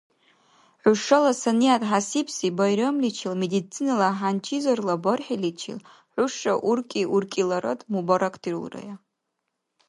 Хӏушала санигӏят хӏясибси байрамличил — медицинала хӏянчизарла Бархӏиличил — хӏуша уркӏи-уркӏиларад мубаракдирулрая!